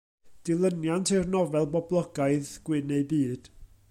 Dilyniant i'r nofel boblogaidd, Gwyn eu Byd.